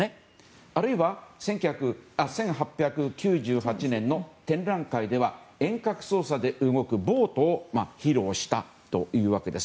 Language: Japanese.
あるいは１８９８年の展覧会では遠隔操作で動くボートを披露したというわけです。